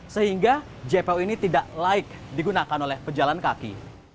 sehingga jpo ini tidak laik digunakan oleh pejalan kaki